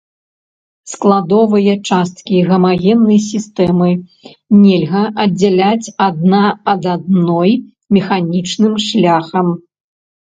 Складовыя часткі гамагеннай сістэмы нельга аддзяліць адна ад адной механічным шляхам.